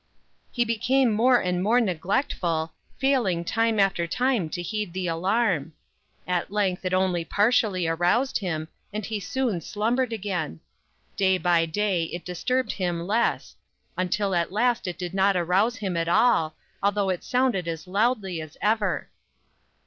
He became more and more neglectful, failing time after time to heed the alarm. At length it only partially aroused him, and he soon slumbered again. Day by day it disturbed him less, until at last it did not arouse him at all, although it sounded as loudly as ever.'